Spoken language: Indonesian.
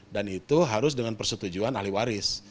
dan itu harus dengan persetujuan ahli waris